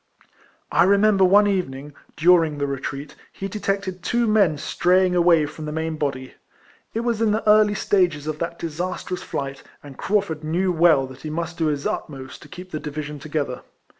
I remember one evening, during the retreat, he detected two men straying away from the main body : it was in the early stage of that disastrous flight, and Craufurd knew well that he must do his utmost to keep the division together.